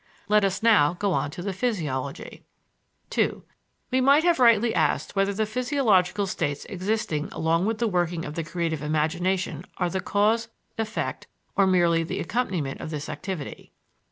Let us now go on to the physiology. II We might have rightly asked whether the physiological states existing along with the working of the creative imagination are the cause, effect, or merely the accompaniment of this activity.